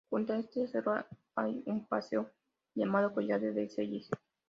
Junto a este cerro hay un paso llamado "Collada de Celles".